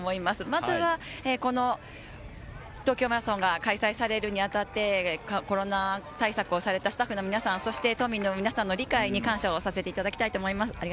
まずはこの東京マラソンが開催されるにあたって、コロナ対策をされたスタッフの皆さん、そして都民の皆さんの理解に感謝をさせていただきたいと思います。